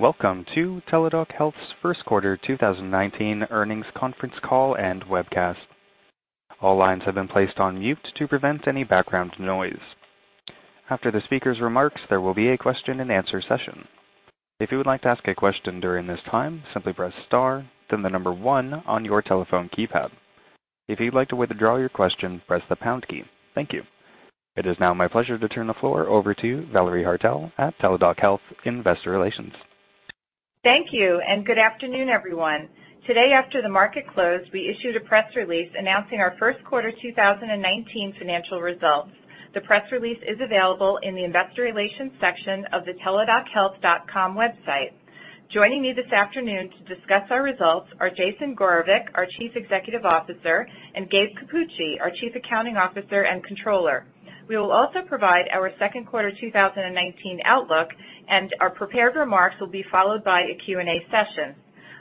Welcome to Teladoc Health's first quarter 2019 earnings conference call and webcast. All lines have been placed on mute to prevent any background noise. After the speaker's remarks, there will be a question and answer session. If you would like to ask a question during this time, simply press star, then the number 1 on your telephone keypad. If you'd like to withdraw your question, press the pound key. Thank you. It is now my pleasure to turn the floor over to Valerie Haertel at Teladoc Health Investor Relations. Thank you. Good afternoon, everyone. Today, after the market closed, we issued a press release announcing our first quarter 2019 financial results. The press release is available in the investor relations section of the teladochealth.com website. Joining me this afternoon to discuss our results are Jason Gorevic, our Chief Executive Officer, and Gabriel Cappucci, our Chief Accounting Officer and Controller. We will also provide our second quarter 2019 outlook. Our prepared remarks will be followed by a Q&A session.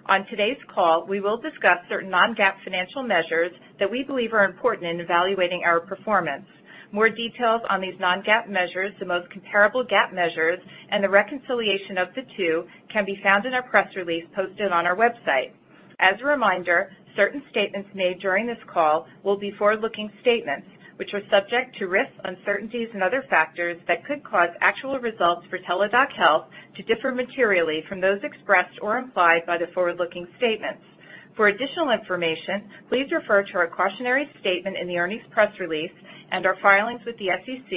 On today's call, we will discuss certain non-GAAP financial measures that we believe are important in evaluating our performance. More details on these non-GAAP measures, the most comparable GAAP measures, and the reconciliation of the two can be found in our press release posted on our website. As a reminder, certain statements made during this call will be forward-looking statements, which are subject to risks, uncertainties, and other factors that could cause actual results for Teladoc Health to differ materially from those expressed or implied by the forward-looking statements. For additional information, please refer to our cautionary statement in the earnings press release and our filings with the SEC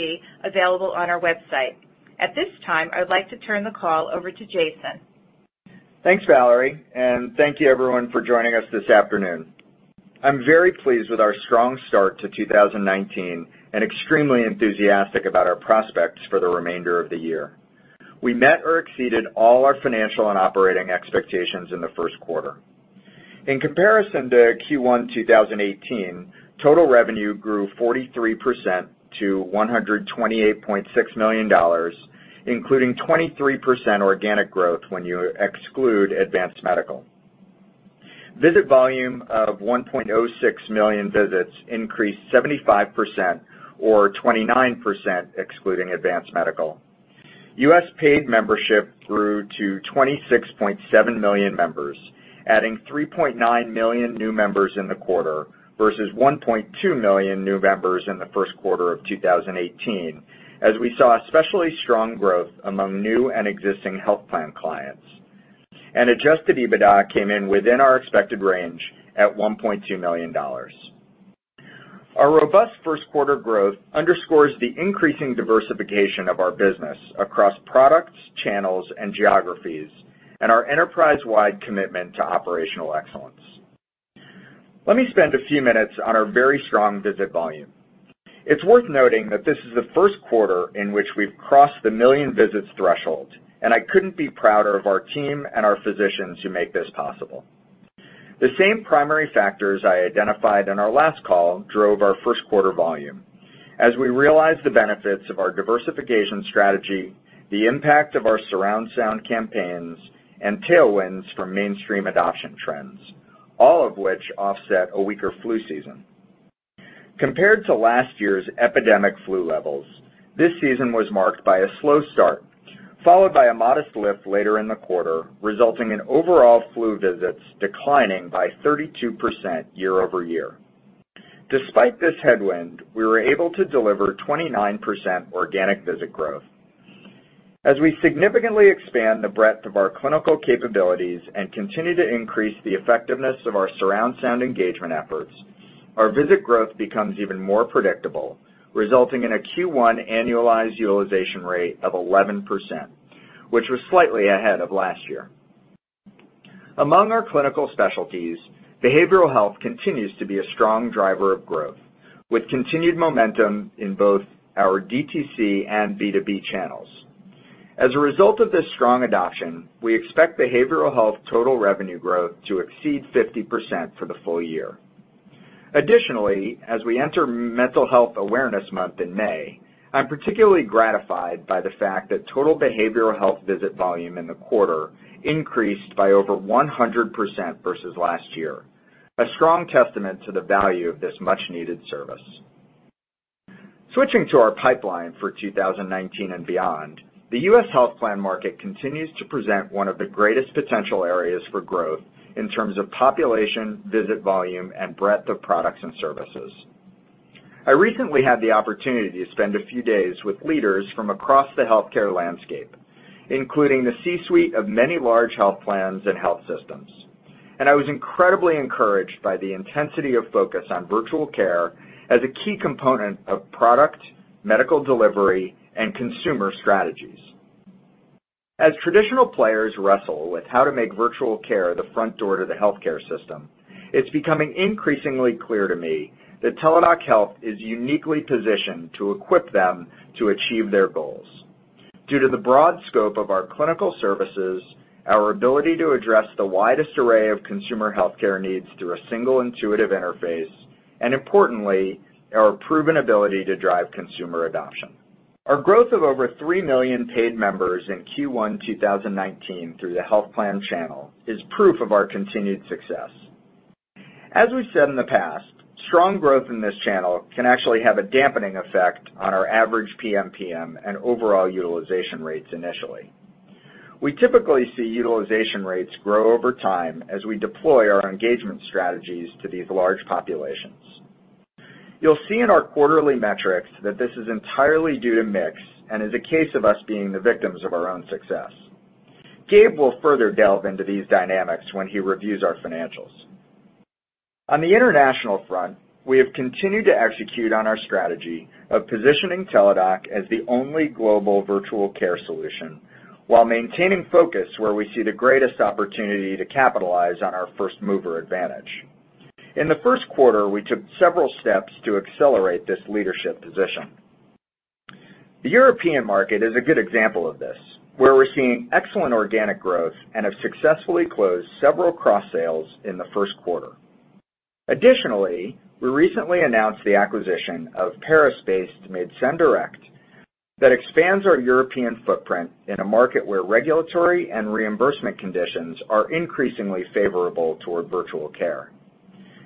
available on our website. At this time, I would like to turn the call over to Jason. Thanks, Valerie. Thank you, everyone, for joining us this afternoon. I'm very pleased with our strong start to 2019 and extremely enthusiastic about our prospects for the remainder of the year. We met or exceeded all our financial and operating expectations in the first quarter. In comparison to Q1 2018, total revenue grew 43% to $128.6 million, including 23% organic growth when you exclude Advance Medical. Visit volume of 1.06 million visits increased 75% or 29% excluding Advance Medical. U.S. paid membership grew to 26.7 million members, adding 3.9 million new members in the quarter versus 1.2 million new members in the first quarter of 2018, as we saw especially strong growth among new and existing health plan clients. Adjusted EBITDA came in within our expected range at $1.2 million. Our robust first quarter growth underscores the increasing diversification of our business across products, channels, and geographies, and our enterprise-wide commitment to operational excellence. Let me spend a few minutes on our very strong visit volume. It's worth noting that this is the first quarter in which we've crossed the 1 million visits threshold, and I couldn't be prouder of our team and our physicians who make this possible. The same primary factors I identified in our last call drove our first quarter volume. As we realized the benefits of our diversification strategy, the impact of our surround sound campaigns, and tailwinds from mainstream adoption trends, all of which offset a weaker flu season. Compared to last year's epidemic flu levels, this season was marked by a slow start, followed by a modest lift later in the quarter, resulting in overall flu visits declining by 32% year-over-year. Despite this headwind, we were able to deliver 29% organic visit growth. As we significantly expand the breadth of our clinical capabilities and continue to increase the effectiveness of our surround sound engagement efforts, our visit growth becomes even more predictable, resulting in a Q1 annualized utilization rate of 11%, which was slightly ahead of last year. Among our clinical specialties, behavioral health continues to be a strong driver of growth, with continued momentum in both our DTC and B2B channels. As a result of this strong adoption, we expect behavioral health total revenue growth to exceed 50% for the full year. Additionally, as we enter Mental Health Awareness Month in May, I'm particularly gratified by the fact that total behavioral health visit volume in the quarter increased by over 100% versus last year. A strong testament to the value of this much-needed service. Switching to our pipeline for 2019 and beyond, the U.S. health plan market continues to present one of the greatest potential areas for growth in terms of population, visit volume, and breadth of products and services. I recently had the opportunity to spend a few days with leaders from across the healthcare landscape, including the C-suite of many large health plans and health systems, and I was incredibly encouraged by the intensity of focus on virtual care as a key component of product, medical delivery, and consumer strategies. As traditional players wrestle with how to make virtual care the front door to the healthcare system, it's becoming increasingly clear to me that Teladoc Health is uniquely positioned to equip them to achieve their goals. Due to the broad scope of our clinical services, our ability to address the widest array of consumer healthcare needs through a single intuitive interface, and importantly, our proven ability to drive consumer adoption. Our growth of over 3 million paid members in Q1 2019 through the health plan channel is proof of our continued success. As we've said in the past, strong growth in this channel can actually have a dampening effect on our average PMPM and overall utilization rates initially. We typically see utilization rates grow over time as we deploy our engagement strategies to these large populations. You'll see in our quarterly metrics that this is entirely due to mix, and is a case of us being the victims of our own success. Gabe will further delve into these dynamics when he reviews our financials. On the international front, we have continued to execute on our strategy of positioning Teladoc as the only global virtual care solution, while maintaining focus where we see the greatest opportunity to capitalize on our first-mover advantage. In the first quarter, we took several steps to accelerate this leadership position. The European market is a good example of this, where we're seeing excellent organic growth and have successfully closed several cross-sales in the first quarter. Additionally, we recently announced the acquisition of Paris-based MédecinDirect that expands our European footprint in a market where regulatory and reimbursement conditions are increasingly favorable toward virtual care.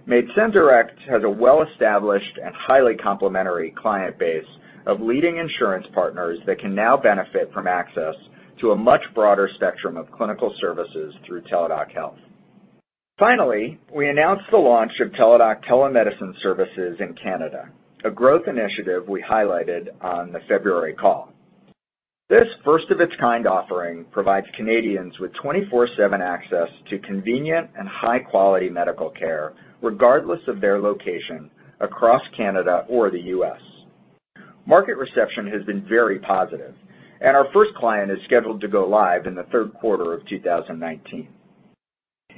MédecinDirect has a well-established and highly complementary client base of leading insurance partners that can now benefit from access to a much broader spectrum of clinical services through Teladoc Health. Finally, we announced the launch of Teladoc telemedicine services in Canada, a growth initiative we highlighted on the February call. This first-of-its-kind offering provides Canadians with 24/7 access to convenient and high-quality medical care regardless of their location across Canada or the U.S. Market reception has been very positive, and our first client is scheduled to go live in the third quarter of 2019.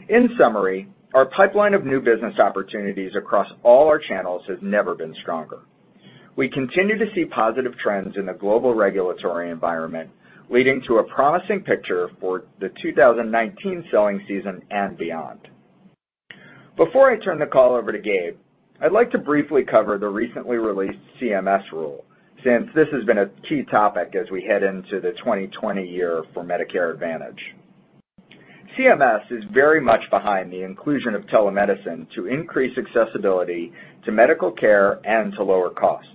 In summary, our pipeline of new business opportunities across all our channels has never been stronger. We continue to see positive trends in the global regulatory environment, leading to a promising picture for the 2019 selling season and beyond. Before I turn the call over to Gabe, I'd like to briefly cover the recently released CMS rule, since this has been a key topic as we head into the 2020 year for Medicare Advantage. CMS is very much behind the inclusion of telemedicine to increase accessibility to medical care and to lower costs.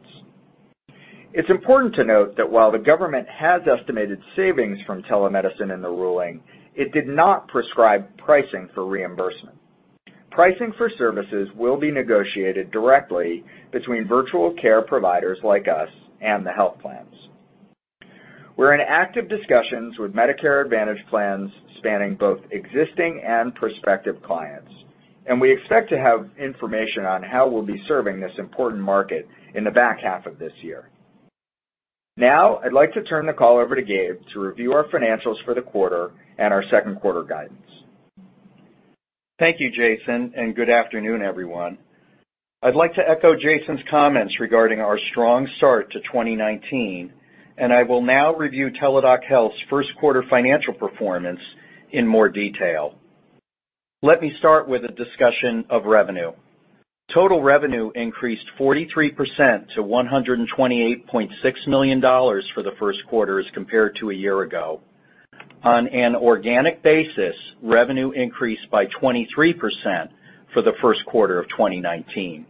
It's important to note that while the government has estimated savings from telemedicine in the ruling, it did not prescribe pricing for reimbursement. Pricing for services will be negotiated directly between virtual care providers like us and the health plans. We're in active discussions with Medicare Advantage plans spanning both existing and prospective clients, and we expect to have information on how we'll be serving this important market in the back half of this year. Now, I'd like to turn the call over to Gabe to review our financials for the quarter and our second quarter guidance. Thank you, Jason, and good afternoon, everyone. I'd like to echo Jason's comments regarding our strong start to 2019. I will now review Teladoc Health's first quarter financial performance in more detail. Let me start with a discussion of revenue. Total revenue increased 43% to $128.6 million for the first quarter as compared to a year ago. On an organic basis, revenue increased by 23% for the first quarter of 2019.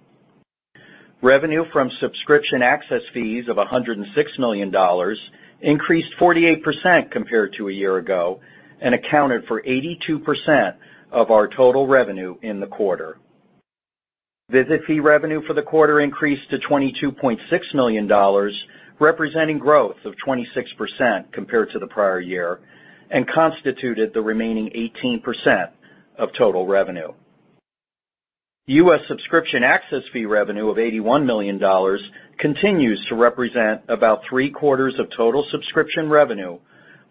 Revenue from subscription access fees of $106 million increased 48% compared to a year ago and accounted for 82% of our total revenue in the quarter. Visit fee revenue for the quarter increased to $22.6 million, representing growth of 26% compared to the prior year and constituted the remaining 18% of total revenue. U.S. subscription access fee revenue of $81 million continues to represent about three-quarters of total subscription revenue,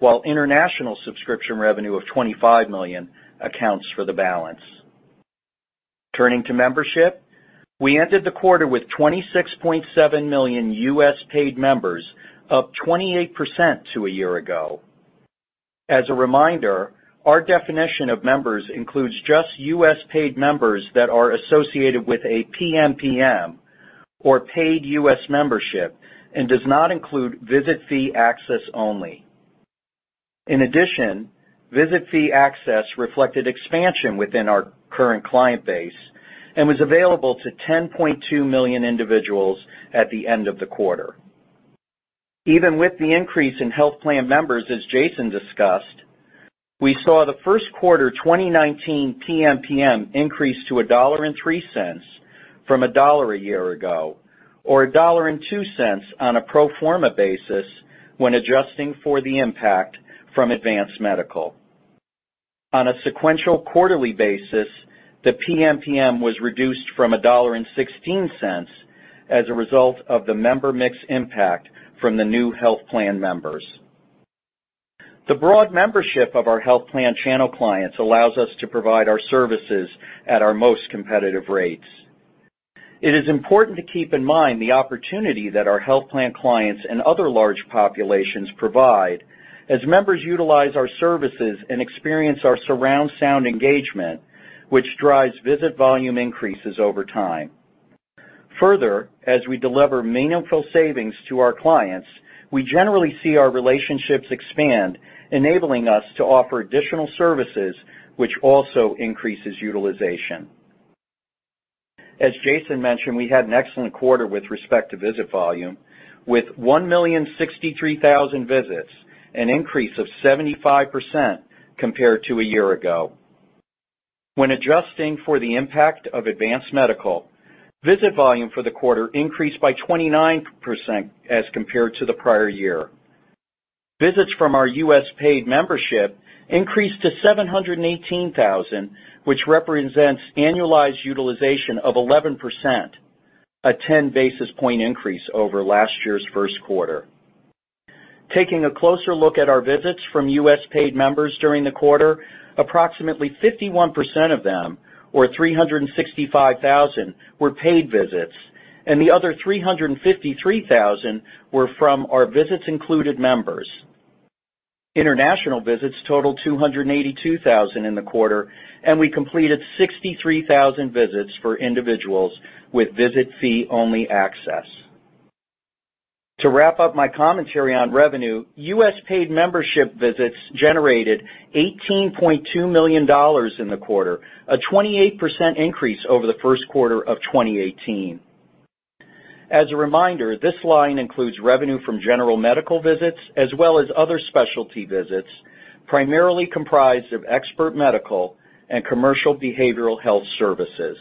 while international subscription revenue of $25 million accounts for the balance. Turning to membership, we ended the quarter with 26.7 million U.S. paid members, up 28% to a year ago. As a reminder, our definition of members includes just U.S. paid members that are associated with a PMPM, or paid U.S. membership, and does not include visit fee access only. In addition, visit fee access reflected expansion within our current client base and was available to 10.2 million individuals at the end of the quarter. Even with the increase in health plan members, as Jason discussed, we saw the first quarter 2019 PMPM increase to $1.03 from $1.00 a year ago, or $1.02 on a pro forma basis when adjusting for the impact from Advance Medical. On a sequential quarterly basis, the PMPM was reduced from $1.16 as a result of the member mix impact from the new health plan members. The broad membership of our health plan channel clients allows us to provide our services at our most competitive rates. It is important to keep in mind the opportunity that our health plan clients and other large populations provide as members utilize our services and experience our surround sound engagement, which drives visit volume increases over time. Further, as we deliver meaningful savings to our clients, we generally see our relationships expand, enabling us to offer additional services, which also increases utilization. As Jason mentioned, we had an excellent quarter with respect to visit volume, with 1,063,000 visits, an increase of 75% compared to a year ago. When adjusting for the impact of Advance Medical, visit volume for the quarter increased by 29% as compared to the prior year. Visits from our U.S. paid membership increased to 718,000, which represents annualized utilization of 11%, a 10 basis point increase over last year's first quarter. Taking a closer look at our visits from U.S. paid members during the quarter, approximately 51% of them, or 365,000, were paid visits, and the other 353,000 were from our visits included members. International visits totaled 282,000 in the quarter, and we completed 63,000 visits for individuals with visit fee-only access. To wrap up my commentary on revenue, U.S. paid membership visits generated $18.2 million in the quarter, a 28% increase over the first quarter of 2018. As a reminder, this line includes revenue from general medical visits as well as other specialty visits, primarily comprised of expert medical and commercial behavioral health services.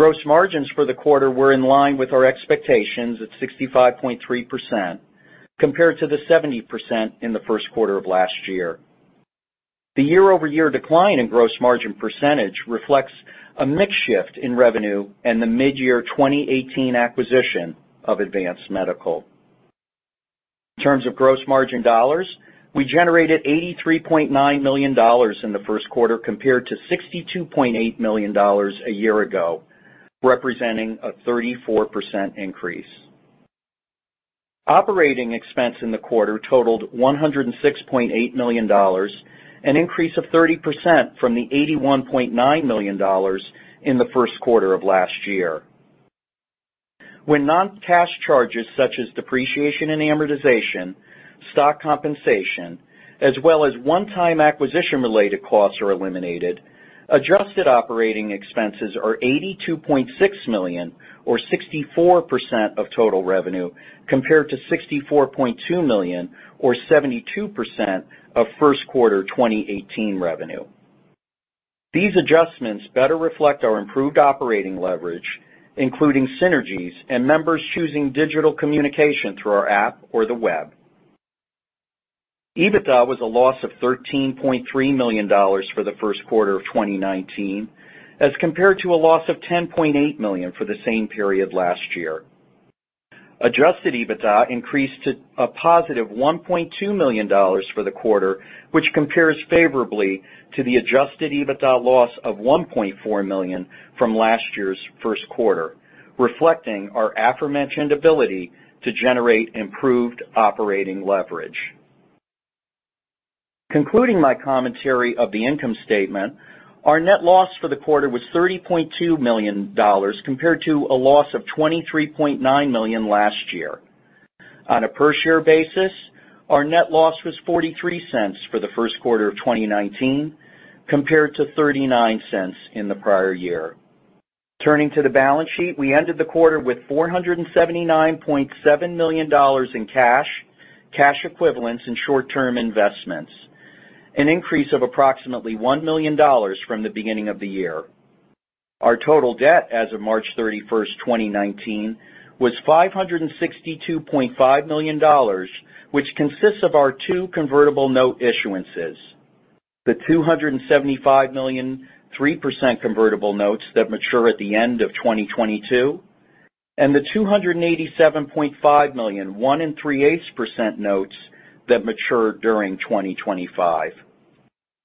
Gross margins for the quarter were in line with our expectations at 65.3%, compared to the 70% in the first quarter of last year. The year-over-year decline in gross margin percentage reflects a mix shift in revenue and the mid-year 2018 acquisition of Advance Medical. In terms of gross margin dollars, we generated $83.9 million in the first quarter, compared to $62.8 million a year ago, representing a 34% increase. Operating expense in the quarter totaled $106.8 million, an increase of 30% from the $81.9 million in the first quarter of last year. When non-cash charges such as depreciation and amortization, stock compensation, as well as one-time acquisition related costs are eliminated, adjusted operating expenses are $82.6 million or 64% of total revenue, compared to $64.2 million or 72% of first quarter 2018 revenue. These adjustments better reflect our improved operating leverage, including synergies and members choosing digital communication through our app or the web. EBITDA was a loss of $13.3 million for the first quarter of 2019 as compared to a loss of $10.8 million for the same period last year. Adjusted EBITDA increased to a positive $1.2 million for the quarter, which compares favorably to the adjusted EBITDA loss of $1.4 million from last year's first quarter, reflecting our aforementioned ability to generate improved operating leverage. Concluding my commentary of the income statement, our net loss for the quarter was $30.2 million, compared to a loss of $23.9 million last year. On a per share basis, our net loss was $0.43 for the first quarter of 2019, compared to $0.39 in the prior year. Turning to the balance sheet, we ended the quarter with $479.7 million in cash equivalents, and short-term investments, an increase of approximately $1 million from the beginning of the year. Our total debt as of March 31st, 2019, was $562.5 million, which consists of our two convertible note issuances, the $275 million 3% convertible notes that mature at the end of 2022 and the $287.5 million 1 3/8% notes that mature during 2025.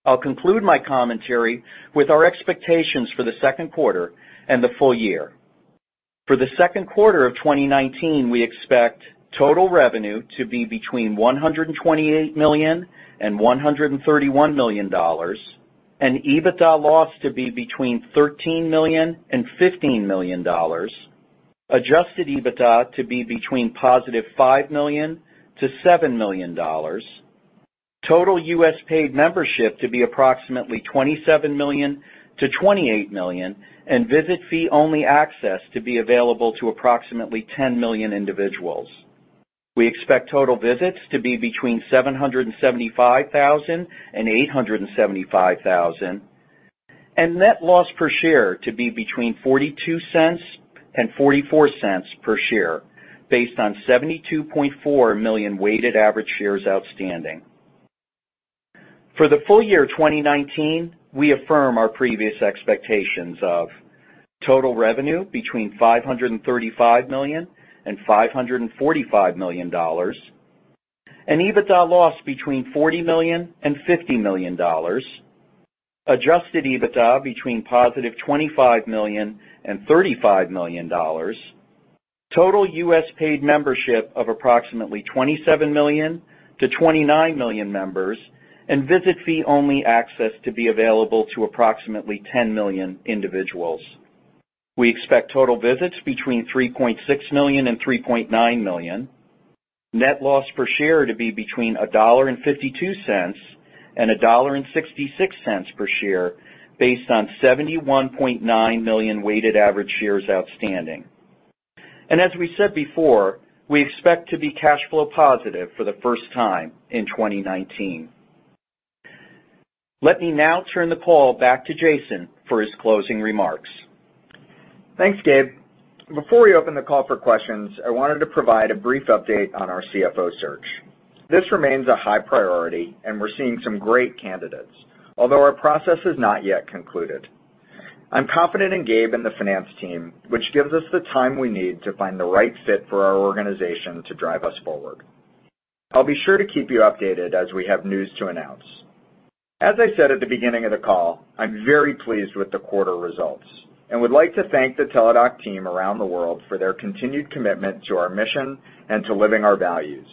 I will conclude my commentary with our expectations for the second quarter and the full year. For the second quarter of 2019, we expect total revenue to be between $128 million and $131 million, an EBITDA loss to be between $13 million and $15 million, adjusted EBITDA to be between positive $5 million to $7 million, total U.S. paid membership to be approximately 27 million-28 million, and visit fee-only access to be available to approximately 10 million individuals. We expect total visits to be between 775,000 and 875,000, and net loss per share to be between $0.42 and $0.44 per share based on 72.4 million weighted average shares outstanding. For the full year 2019, we affirm our previous expectations of total revenue between $535 million and $545 million, an EBITDA loss between $40 million and $50 million, adjusted EBITDA between positive $25 million and $35 million. Total U.S. paid membership of approximately 27 million-29 million members, and visit fee-only access to be available to approximately 10 million individuals. We expect total visits between 3.6 million and 3.9 million. Net loss per share to be between $1.52 and $1.66 per share, based on 71.9 million weighted average shares outstanding. As we said before, we expect to be cash flow positive for the first time in 2019. Let me now turn the call back to Jason for his closing remarks. Thanks, Gabe. Before we open the call for questions, I wanted to provide a brief update on our CFO search. This remains a high priority, and we're seeing some great candidates, although our process is not yet concluded. I'm confident in Gabe and the finance team, which gives us the time we need to find the right fit for our organization to drive us forward. I'll be sure to keep you updated as we have news to announce. As I said at the beginning of the call, I'm very pleased with the quarter results and would like to thank the Teladoc team around the world for their continued commitment to our mission and to living our values.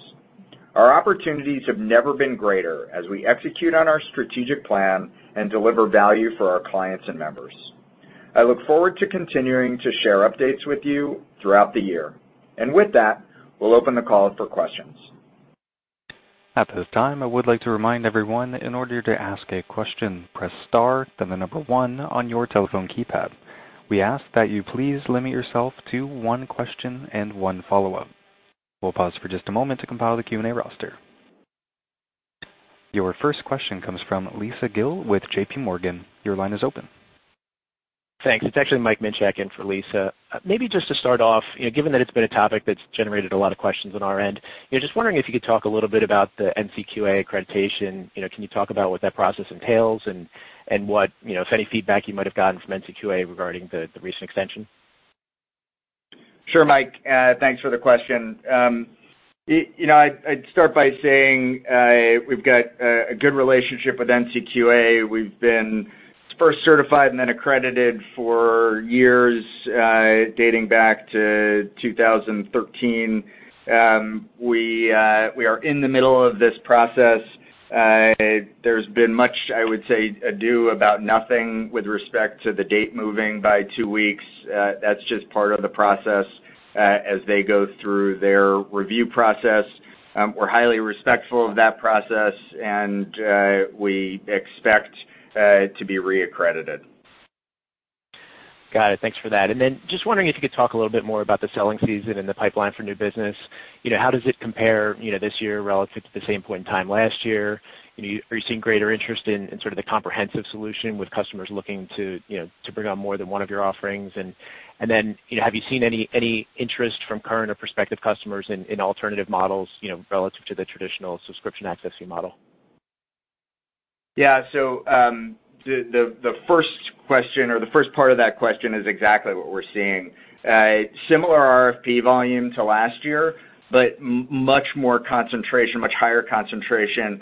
Our opportunities have never been greater as we execute on our strategic plan and deliver value for our clients and members. I look forward to continuing to share updates with you throughout the year. With that, we'll open the call up for questions. At this time, I would like to remind everyone that in order to ask a question, press star, then the number 1 on your telephone keypad. We ask that you please limit yourself to one question and one follow-up. We'll pause for just a moment to compile the Q&A roster. Your first question comes from Lisa Gill with JPMorgan. Your line is open. Thanks. It's actually Mike Minchak in for Lisa. Maybe just to start off, given that it's been a topic that's generated a lot of questions on our end, just wondering if you could talk a little bit about the NCQA accreditation. Can you talk about what that process entails and if any feedback you might have gotten from NCQA regarding the recent extension? Sure, Mike. Thanks for the question. I'd start by saying we've got a good relationship with NCQA. We've been first certified and then accredited for years, dating back to 2013. We are in the middle of this process. There's been much, I would say, ado about nothing with respect to the date moving by two weeks. That's just part of the process as they go through their review process. We're highly respectful of that process, and we expect to be reaccredited. Got it. Thanks for that. Just wondering if you could talk a little bit more about the selling season and the pipeline for new business. How does it compare this year relative to the same point in time last year? Are you seeing greater interest in sort of the comprehensive solution with customers looking to bring on more than one of your offerings? Have you seen any interest from current or prospective customers in alternative models relative to the traditional subscription access fee model? Yeah. The first question, or the first part of that question is exactly what we're seeing. Similar RFP volume to last year, but much more concentration, much higher concentration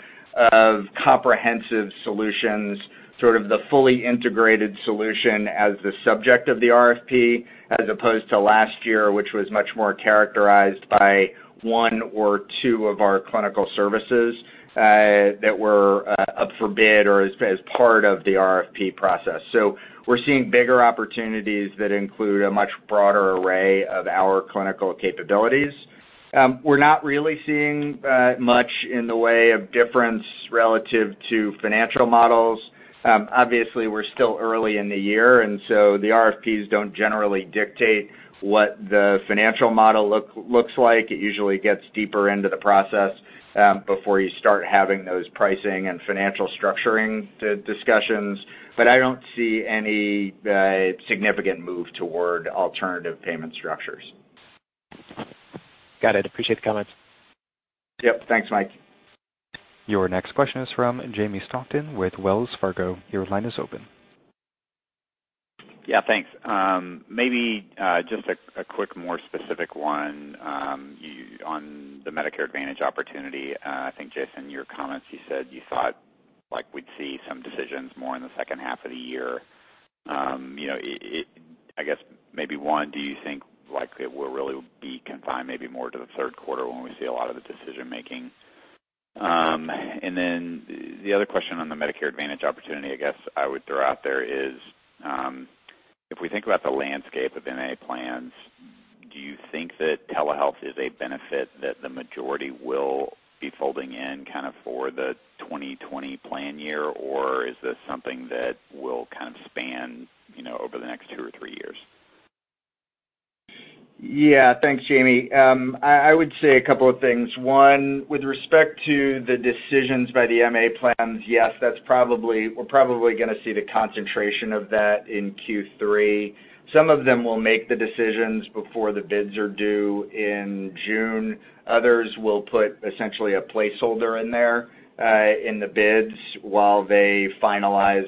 of comprehensive solutions, sort of the fully integrated solution as the subject of the RFP, as opposed to last year, which was much more characterized by one or two of our clinical services that were up for bid or as part of the RFP process. We're seeing bigger opportunities that include a much broader array of our clinical capabilities. We're not really seeing much in the way of difference relative to financial models. Obviously, we're still early in the year, the RFPs don't generally dictate what the financial model looks like. It usually gets deeper into the process, before you start having those pricing and financial structuring discussions. I don't see any significant move toward alternative payment structures. Got it. Appreciate the comments. Yep. Thanks, Mike. Your next question is from Jamie Stockton with Wells Fargo. Your line is open. Yeah, thanks. Maybe just a quick, more specific one on the Medicare Advantage opportunity. I think, Jason, your comments, you said you thought we'd see some decisions more in the second half of the year. I guess maybe, one, do you think likely it will really be confined maybe more to the third quarter when we see a lot of the decision-making? The other question on the Medicare Advantage opportunity, I guess I would throw out there is, if we think about the landscape of MA plans, do you think that telehealth is a benefit that the majority will be folding in kind of for the 2020 plan year, or is this something that will kind of span over the next two or three years? Yeah. Thanks, Jamie. I would say a couple of things. One, with respect to the decisions by the MA plans, yes, we're probably going to see the concentration of that in Q3. Some of them will make the decisions before the bids are due in June. Others will put essentially a placeholder in there in the bids while they finalize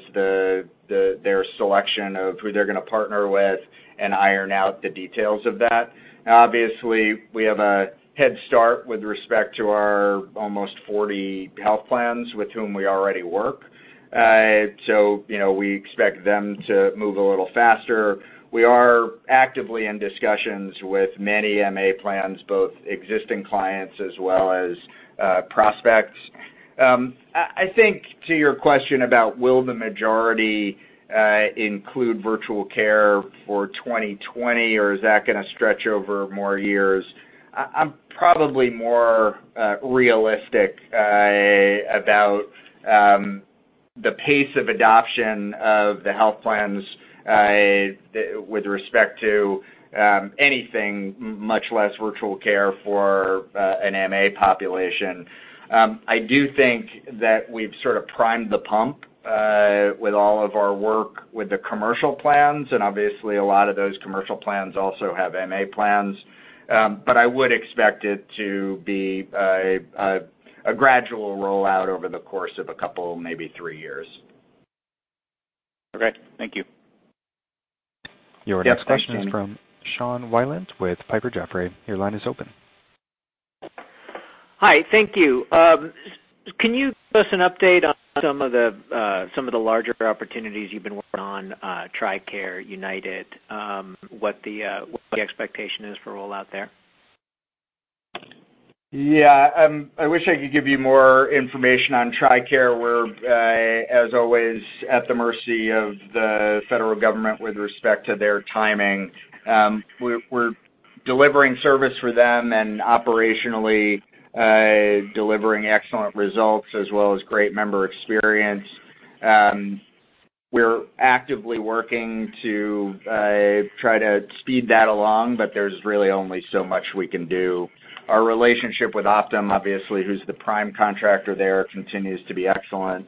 their selection of who they're going to partner with and iron out the details of that. Obviously, we have a head start with respect to our almost 40 health plans with whom we already work. We expect them to move a little faster. We are actively in discussions with many MA plans, both existing clients as well as prospects. I think to your question about will the majority include virtual care for 2020 or is that going to stretch over more years? I'm probably more realistic about the pace of adoption of the health plans with respect to anything, much less virtual care for an MA population. I do think that we've sort of primed the pump with all of our work with the commercial plans, and obviously, a lot of those commercial plans also have MA plans. I would expect it to be a gradual rollout over the course of a couple, maybe three years. Okay. Thank you. Your next question is from Sean Wieland with Piper Jaffray. Your line is open. Hi. Thank you. Can you give us an update on some of the larger opportunities you've been working on, TRICARE, United, what the expectation is for rollout there? Yeah. I wish I could give you more information on TRICARE. We're, as always, at the mercy of the federal government with respect to their timing. We're delivering service for them and operationally delivering excellent results as well as great member experience. We're actively working to try to speed that along. There's really only so much we can do. Our relationship with Optum, obviously, who's the prime contractor there, continues to be excellent.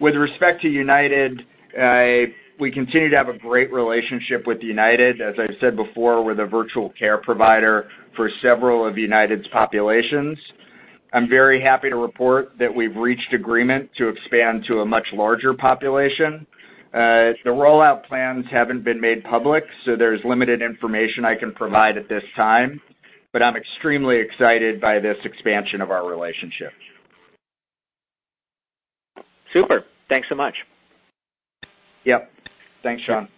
With respect to United, we continue to have a great relationship with United. As I've said before, we're the virtual care provider for several of United's populations. I'm very happy to report that we've reached agreement to expand to a much larger population. The rollout plans haven't been made public, so there's limited information I can provide at this time. I'm extremely excited by this expansion of our relationship. Super. Thanks so much. Yep. Thanks, Sean.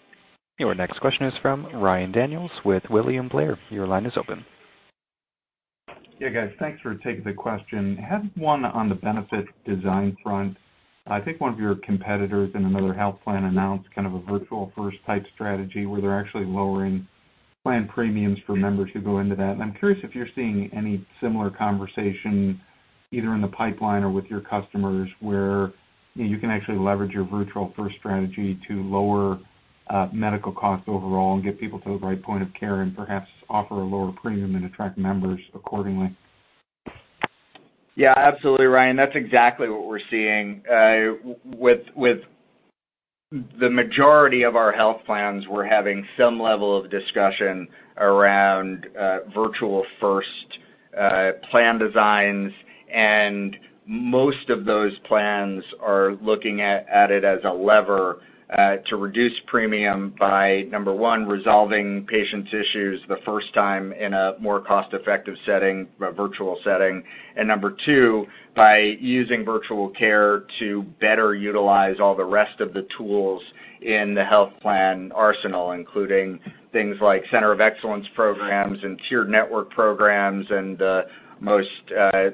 Your next question is from Ryan Daniels with William Blair. Your line is open. Yeah, guys. Thanks for taking the question. Had one on the benefit design front. I think one of your competitors in another health plan announced kind of a virtual first type strategy where they're actually lowering plan premiums for members who go into that. I'm curious if you're seeing any similar conversation, either in the pipeline or with your customers, where you can actually leverage your virtual first strategy to lower medical costs overall and get people to the right point of care and perhaps offer a lower premium and attract members accordingly. Yeah, absolutely, Ryan. That's exactly what we're seeing. With the majority of our health plans, we're having some level of discussion around virtual first plan designs. Most of those plans are looking at it as a lever to reduce premium by, number one, resolving patients' issues the first time in a more cost-effective setting, a virtual setting. Number two, by using virtual care to better utilize all the rest of the tools in the health plan arsenal, including things like center of excellence programs and tiered network programs and the most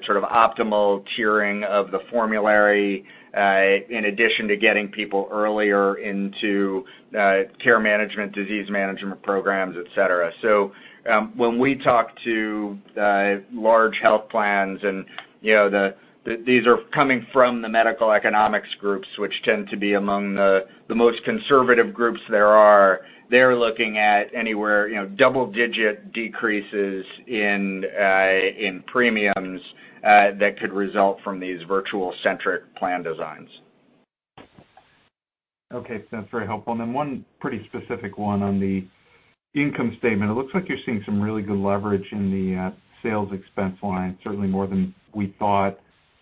sort of optimal tiering of the formulary, in addition to getting people earlier into care management, disease management programs, et cetera. When we talk to large health plans, and these are coming from the medical economics groups, which tend to be among the most conservative groups there are, they're looking at anywhere double-digit decreases in premiums that could result from these virtual-centric plan designs. Okay. That's very helpful. One pretty specific one on the income statement. It looks like you're seeing some really good leverage in the sales expense line, certainly more than we thought.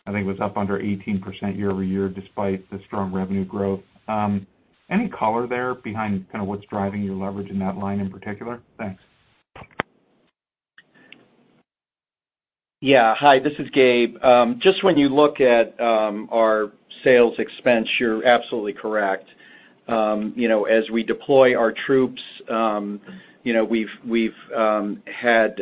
I think it was up under 18% year-over-year, despite the strong revenue growth. Any color there behind kind of what's driving your leverage in that line in particular? Thanks. Yeah. Hi, this is Gabe. When you look at our sales expense, you're absolutely correct. As we deploy our troops, we've had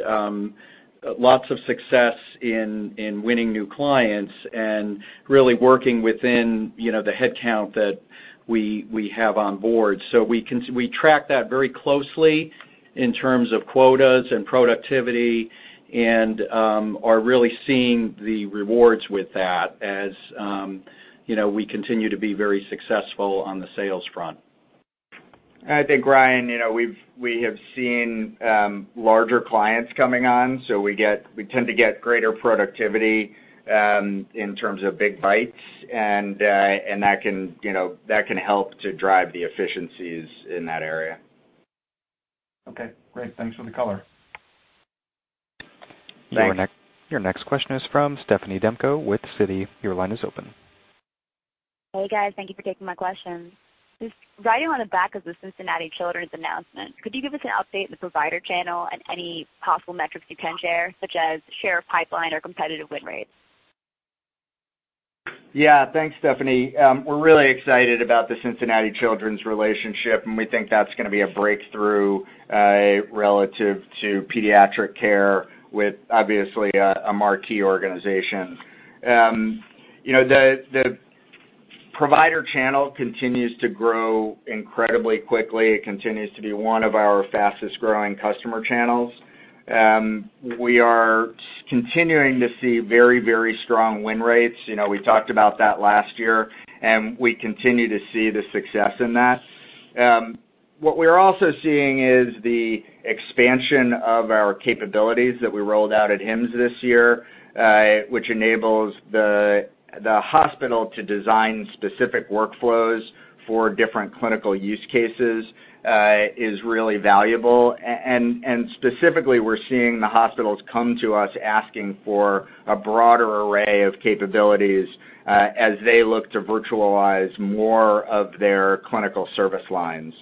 lots of success in winning new clients and really working within the headcount that we have on board. We track that very closely in terms of quotas and productivity and are really seeing the rewards with that as we continue to be very successful on the sales front. I think, Ryan, we have seen larger clients coming on, we tend to get greater productivity in terms of big bites, and that can help to drive the efficiencies in that area. Okay, great. Thanks for the color. Thanks. Your next question is from Stephanie Demko with Citi. Your line is open. Hey, guys, thank you for taking my questions. Just riding on the back of the Cincinnati Children's announcement, could you give us an update on the provider channel and any possible metrics you can share, such as share of pipeline or competitive win rates? Yeah. Thanks, Stephanie. We're really excited about the Cincinnati Children's relationship. We think that's going to be a breakthrough relative to pediatric care with, obviously, a marquee organization. The provider channel continues to grow incredibly quickly. It continues to be one of our fastest-growing customer channels. We are continuing to see very strong win rates. We talked about that last year. We continue to see the success in that. What we're also seeing is the expansion of our capabilities that we rolled out at HIMSS this year, which enables the hospital to design specific workflows for different clinical use cases, is really valuable. Specifically, we're seeing the hospitals come to us asking for a broader array of capabilities as they look to virtualize more of their clinical service lines.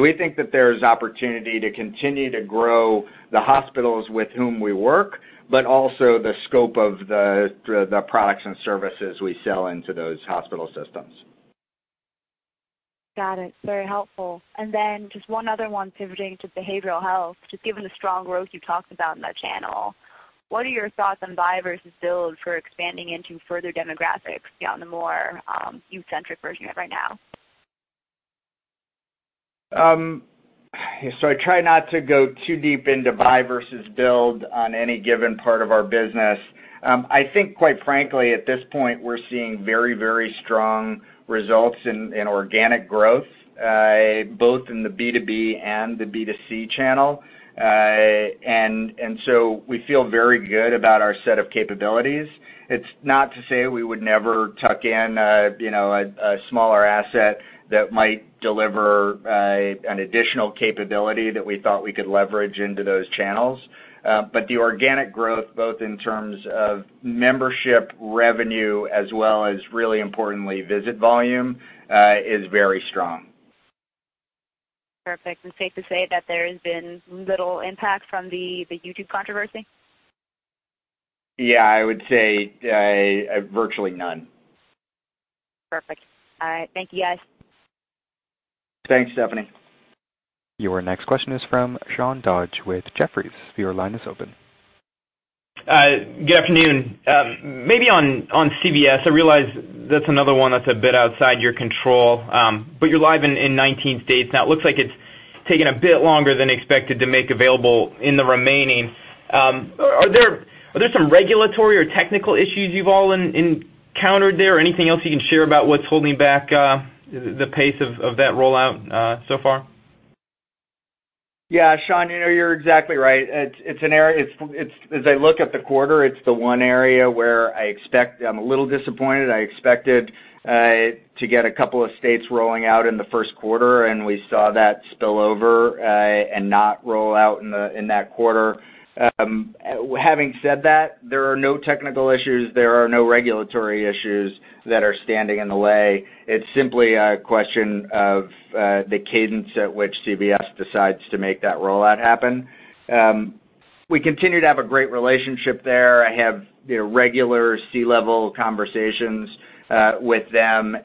We think that there's opportunity to continue to grow the hospitals with whom we work, but also the scope of the products and services we sell into those hospital systems. Got it. Very helpful. Then just one other one pivoting to behavioral health. Just given the strong growth you talked about in that channel, what are your thoughts on buy versus build for expanding into further demographics beyond the more youth-centric version you have right now? I try not to go too deep into buy versus build on any given part of our business. I think, quite frankly, at this point, we're seeing very strong results in organic growth, both in the B2B and the B2C channel. We feel very good about our set of capabilities. It's not to say we would never tuck in a smaller asset that might deliver an additional capability that we thought we could leverage into those channels. The organic growth, both in terms of membership revenue as well as really importantly, visit volume, is very strong. Perfect. It's safe to say that there has been little impact from the YouTube controversy? Yeah, I would say virtually none. Perfect. All right. Thank you, guys. Thanks, Stephanie. Your next question is from Sean Dodge with Jefferies. Your line is open. Good afternoon. Maybe on CVS, I realize that's another one that's a bit outside your control. You're live in 19 states now. It looks like it's taken a bit longer than expected to make available in the remaining. Are there some regulatory or technical issues you've all encountered there? Anything else you can share about what's holding back the pace of that rollout so far? Yeah, Sean, you're exactly right. As I look at the quarter, it's the one area where I'm a little disappointed. I expected to get a couple of states rolling out in the first quarter. We saw that spill over and not roll out in that quarter. Having said that, there are no technical issues, there are no regulatory issues that are standing in the way. It's simply a question of the cadence at which CVS decides to make that rollout happen. We continue to have a great relationship there. I have the regular C-level conversations with them.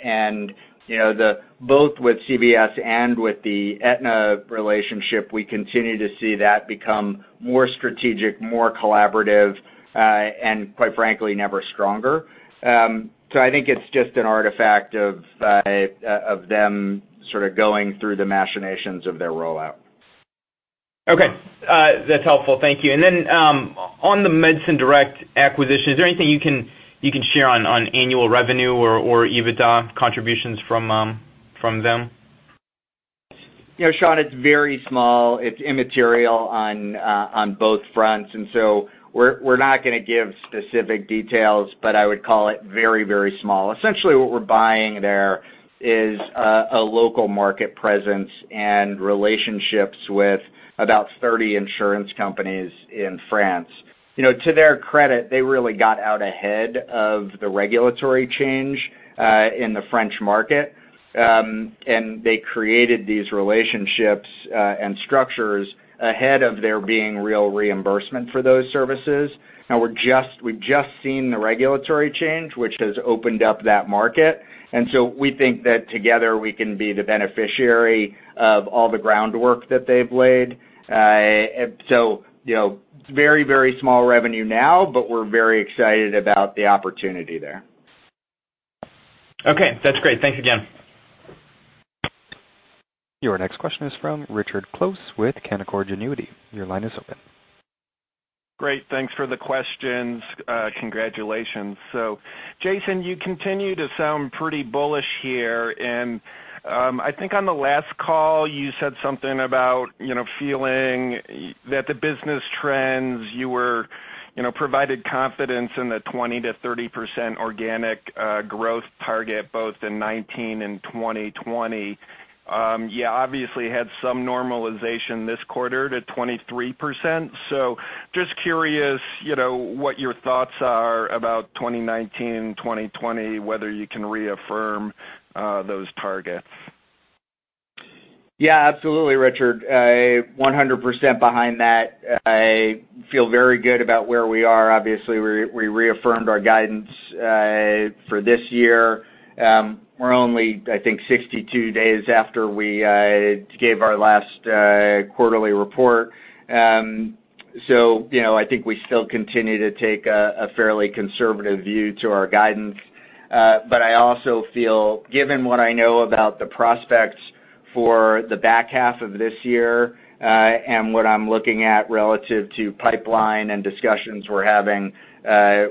Both with CVS and with the Aetna relationship, we continue to see that become more strategic, more collaborative, and quite frankly, never stronger. I think it's just an artifact of them sort of going through the machinations of their rollout. Okay. That's helpful. Thank you. On the MédecinDirect acquisition, is there anything you can share on annual revenue or EBITDA contributions from them? Sean, it's very small. It's immaterial on both fronts. We're not going to give specific details, but I would call it very small. Essentially what we're buying there is a local market presence and relationships with about 30 insurance companies in France. To their credit, they really got out ahead of the regulatory change in the French market. They created these relationships and structures ahead of there being real reimbursement for those services. Now we've just seen the regulatory change, which has opened up that market. We think that together we can be the beneficiary of all the groundwork that they've laid. Very small revenue now, but we're very excited about the opportunity there. Okay. That's great. Thanks again. Your next question is from Richard Close with Canaccord Genuity. Your line is open. Great. Thanks for the questions. Congratulations. Jason, you continue to sound pretty bullish here. I think on the last call, you said something about feeling that the business trends provided confidence in the 20%-30% organic growth target, both in 2019 and 2020. You obviously had some normalization this quarter to 23%. Just curious what your thoughts are about 2019, 2020, whether you can reaffirm those targets. Absolutely, Richard. 100% behind that. I feel very good about where we are. Obviously, we reaffirmed our guidance for this year. We're only, I think, 62 days after we gave our last quarterly report. I think we still continue to take a fairly conservative view to our guidance. I also feel, given what I know about the prospects for the back half of this year, and what I'm looking at relative to pipeline and discussions we're having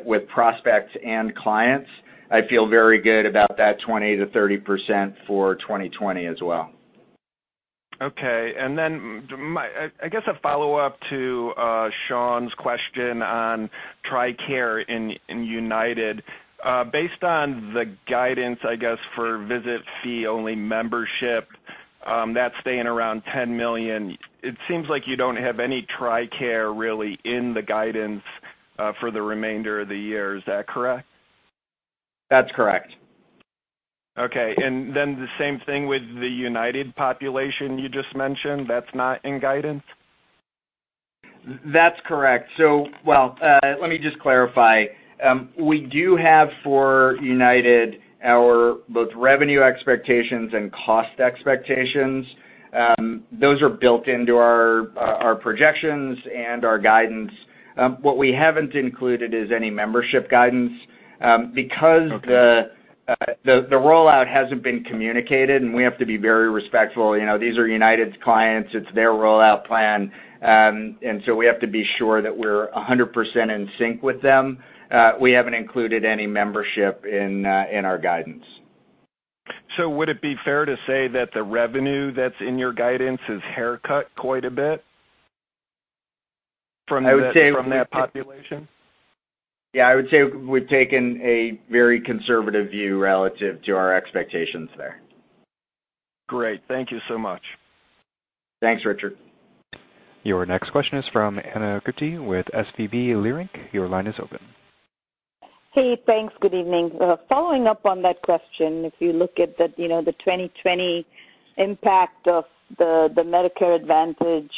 with prospects and clients, I feel very good about that 20%-30% for 2020 as well. Okay, I guess a follow-up to Sean's question on TRICARE and United. Based on the guidance, I guess, for visit fee-only membership, that's staying around $10 million. It seems like you don't have any TRICARE really in the guidance for the remainder of the year. Is that correct? That's correct. Okay. The same thing with the United population you just mentioned, that's not in guidance? That's correct. Well, let me just clarify. We do have, for United, our both revenue expectations and cost expectations. Those are built into our projections and our guidance. What we haven't included is any membership guidance. Okay. The rollout hasn't been communicated, and we have to be very respectful. These are United's clients, it's their rollout plan, so we have to be sure that we're 100% in sync with them. We haven't included any membership in our guidance. Would it be fair to say that the revenue that's in your guidance is haircut quite a bit from that population? I would say we've taken a very conservative view relative to our expectations there. Great. Thank you so much. Thanks, Richard. Your next question is from Ana Gupte with SVB Leerink. Your line is open. Hey, thanks. Good evening. Following up on that question, if you look at the 2020 impact of the Medicare Advantage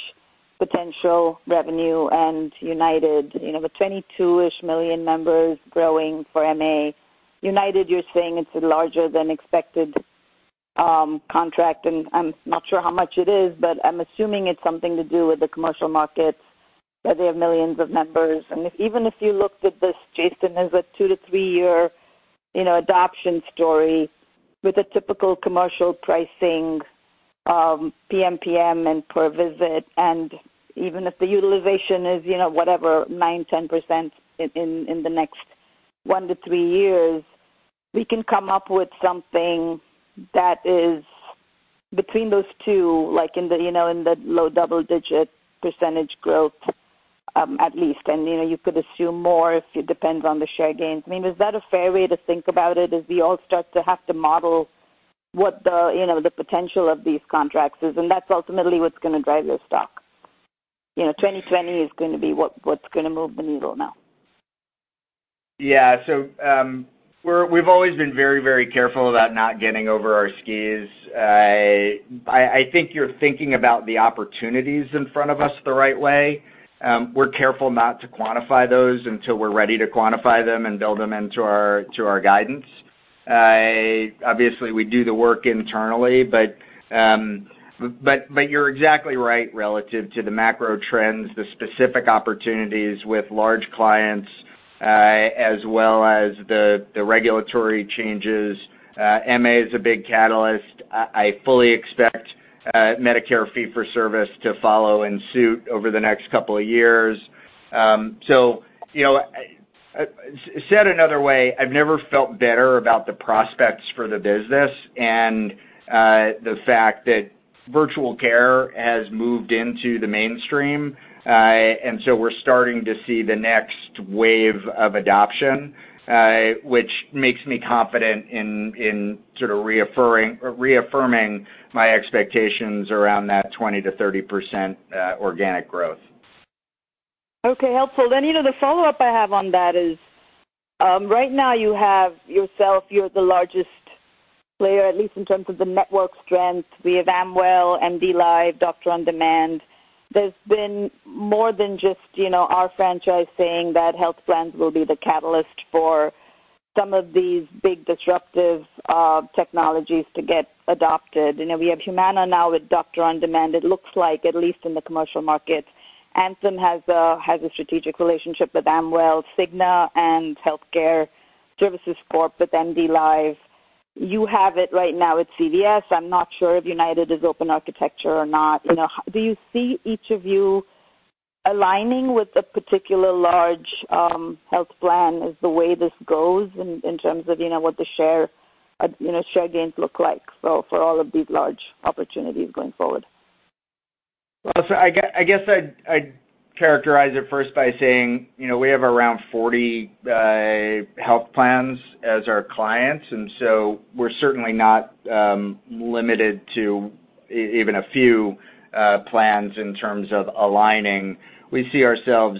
potential revenue and United, the 22 million-ish members growing for MA. United, you're saying it's a larger than expected contract, I'm not sure how much it is, but I'm assuming it's something to do with the commercial markets, that they have millions of members. Even if you looked at this, Jason, as a two to three-year adoption story with a typical commercial pricing, PMPM and per visit, even if the utilization is whatever, 9%, 10% in the next one to three years, we can come up with something that is between those two, like in the low double digit percentage growth, at least. You could assume more if it depends on the share gains. I mean, is that a fair way to think about it, as we all start to have to model what the potential of these contracts is? That's ultimately what's going to drive your stock. 2020 is going to be what's going to move the needle now. We've always been very careful about not getting over our skis. I think you're thinking about the opportunities in front of us the right way. We're careful not to quantify those until we're ready to quantify them and build them into our guidance. Obviously, we do the work internally, but you're exactly right relative to the macro trends, the specific opportunities with large clients, as well as the regulatory changes. MA is a big catalyst. I fully expect Medicare fee-for-service to follow in suit over the next couple of years. Said another way, I've never felt better about the prospects for the business and the fact that virtual care has moved into the mainstream, we're starting to see the next wave of adoption, which makes me confident in sort of reaffirming my expectations around that 20%-30% organic growth. Okay. Helpful. The follow-up I have on that is, right now you have yourself, you're the largest player, at least in terms of the network strength. We have Amwell, MDLIVE, Doctor on Demand. There's been more than just our franchise saying that health plans will be the catalyst for some of these big disruptive technologies to get adopted. We have Humana now with Doctor on Demand. It looks like, at least in the commercial market, Anthem has a strategic relationship with Amwell, Cigna and Health Care Services Corp with MDLIVE. You have it right now with CVS. I'm not sure if United is open architecture or not. Do you see each of you aligning with a particular large health plan as the way this goes in terms of what the share gains look like, for all of these large opportunities going forward? I guess I'd characterize it first by saying we have around 40 health plans as our clients, we're certainly not limited to even a few plans in terms of aligning. We see ourselves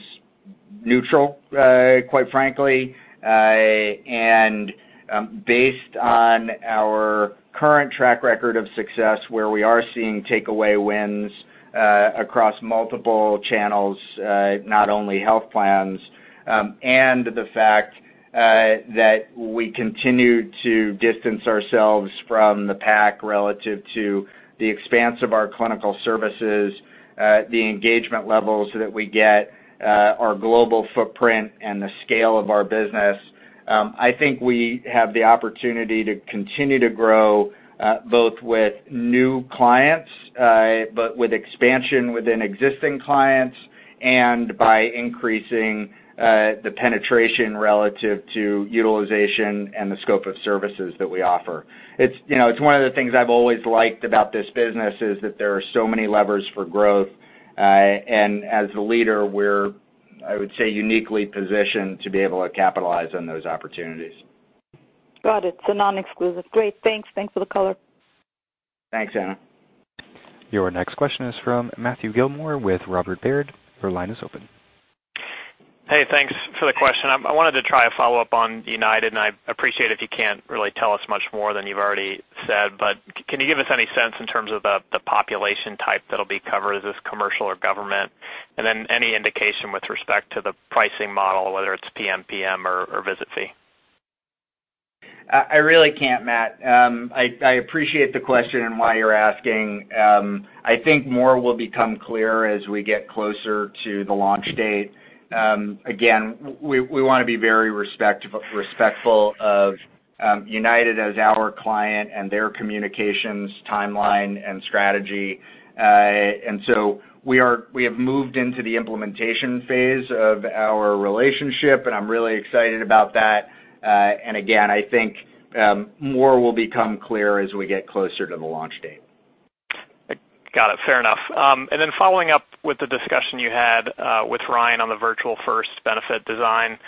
neutral, quite frankly. Based on our current track record of success, where we are seeing takeaway wins across multiple channels, not only health plans, and the fact that we continue to distance ourselves from the pack relative to the expanse of our clinical services, the engagement levels that we get, our global footprint, and the scale of our business. I think we have the opportunity to continue to grow, both with new clients, but with expansion within existing clients, and by increasing the penetration relative to utilization and the scope of services that we offer. It's one of the things I've always liked about this business, is that there are so many levers for growth. As the leader, we're, I would say, uniquely positioned to be able to capitalize on those opportunities. Got it. Non-exclusive. Great. Thanks. Thanks for the color. Thanks, Ana. Your next question is from Matthew Gillmor with Robert Baird. Your line is open. Thanks for the question. I wanted to try a follow-up on United, I appreciate if you can't really tell us much more than you've already said, but can you give us any sense in terms of the population type that'll be covered? Is this commercial or government? Then any indication with respect to the pricing model, whether it's PMPM or visit fee? I really can't, Matt. I appreciate the question and why you're asking. I think more will become clear as we get closer to the launch date. Again, we want to be very respectful of United as our client and their communications timeline and strategy. We have moved into the implementation phase of our relationship, and I'm really excited about that. Again, I think more will become clear as we get closer to the launch date. Got it. Fair enough. Following up with the discussion you had with Ryan on the virtual first benefit design,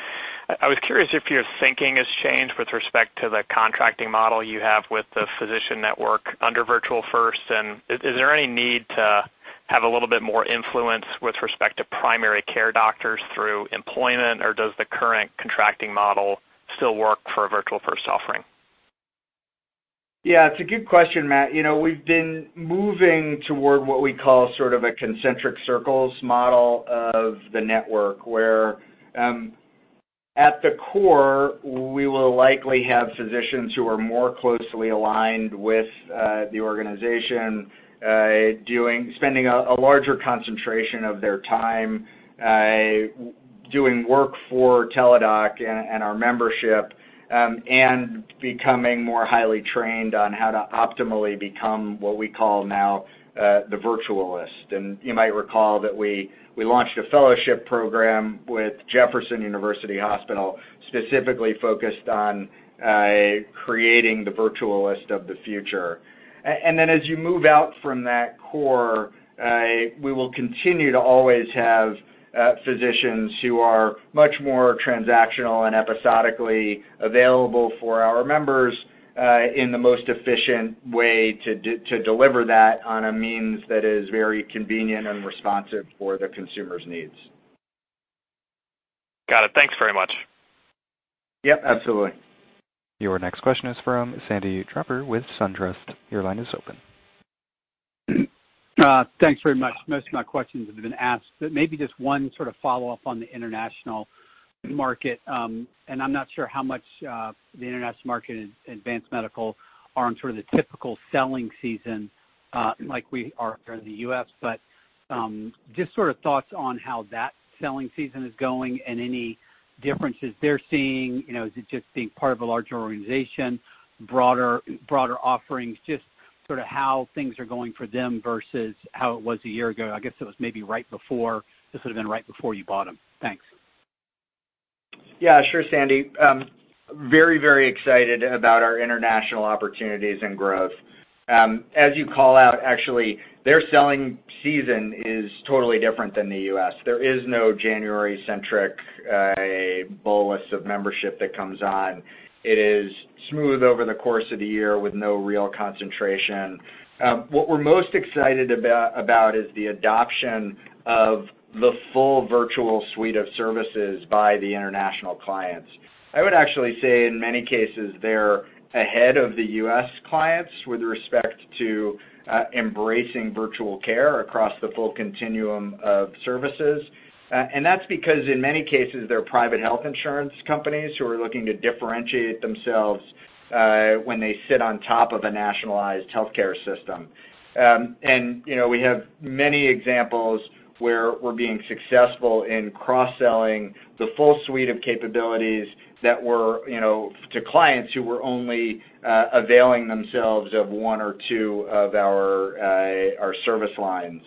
I was curious if your thinking has changed with respect to the contracting model you have with the physician network under virtual first, and is there any need to have a little bit more influence with respect to primary care doctors through employment, or does the current contracting model still work for a virtual first offering? Yeah. It's a good question, Matt. We've been moving toward what we call sort of a concentric circles model of the network, where at the core, we will likely have physicians who are more closely aligned with the organization, spending a larger concentration of their time doing work for Teladoc and our membership. Becoming more highly trained on how to optimally become what we call now the virtualist. You might recall that we launched a fellowship program with Jefferson University Hospital, specifically focused on creating the virtualist of the future. As you move out from that core, we will continue to always have physicians who are much more transactional and episodically available for our members, in the most efficient way to deliver that on a means that is very convenient and responsive for the consumer's needs. Got it. Thanks very much. Yep, absolutely. Your next question is from Sandy Draper with SunTrust. Your line is open. Thanks very much. Most of my questions have been asked, but maybe just one sort of follow-up on the international market. I'm not sure how much the international market and Advance Medical are on sort of the typical selling season, like we are here in the U.S., but just sort of thoughts on how that selling season is going and any differences they're seeing. Is it just being part of a larger organization, broader offerings, just sort of how things are going for them versus how it was a year ago, I guess it was maybe this would've been right before you bought them. Thanks. Yeah, sure, Sandy. Very excited about our international opportunities and growth. As you call out, actually, their selling season is totally different than the U.S. There is no January-centric bolus of membership that comes on. It is smooth over the course of the year with no real concentration. What we're most excited about is the adoption of the full virtual suite of services by the international clients. I would actually say in many cases, they're ahead of the U.S. clients with respect to embracing virtual care across the full continuum of services. That's because in many cases, they're private health insurance companies who are looking to differentiate themselves, when they sit on top of a nationalized healthcare system. We have many examples where we're being successful in cross-selling the full suite of capabilities to clients who were only availing themselves of one or two of our service lines.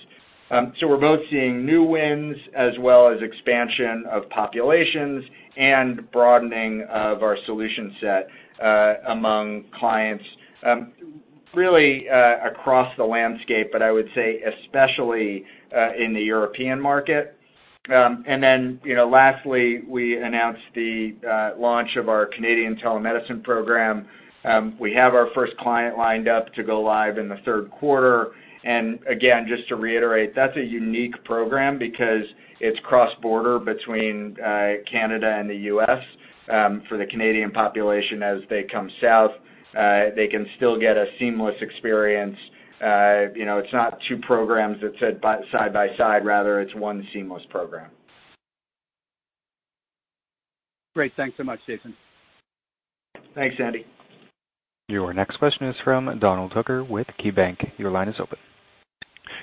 We're both seeing new wins as well as expansion of populations and broadening of our solution set among clients, really, across the landscape, but I would say especially, in the European market. Lastly, we announced the launch of our Canadian telemedicine program. We have our first client lined up to go live in the third quarter. Again, just to reiterate, that's a unique program because it's cross-border between Canada and the U.S. For the Canadian population as they come south, they can still get a seamless experience. It's not two programs that sit side by side. Rather, it's one seamless program. Great. Thanks so much, Jason. Thanks, Sandy. Your next question is from Donald Hooker with KeyBanc. Your line is open.